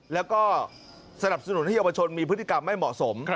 แล้วก็สนับสนุนให้เยาวชนมีพฤติกรรมไม่เหมาะสม